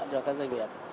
cho các doanh nghiệp